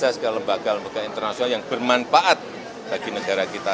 kita akan memiliki lembaga lembaga internasional yang bermanfaat bagi negara kita